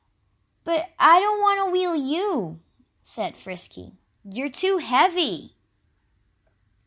"But I don't want to wheel you!" said Frisky. "You're too heavy!"